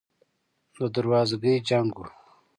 د دروازګۍ جنګ و.